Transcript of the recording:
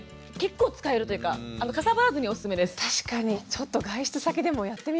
ちょっと外出先でもやってみます。